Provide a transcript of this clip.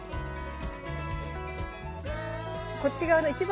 こっち側の一番